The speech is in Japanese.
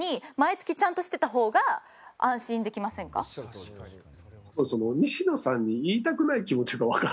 「確かに」